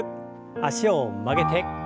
脚を曲げて。